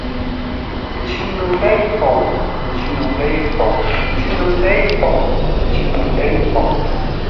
Njî no ndêi fou, n njîno ndêi fou njî no ndêi fou, n njî no ndêi fou.